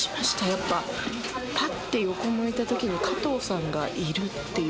やっぱぱって横向いたときに加藤さんがいるっていう。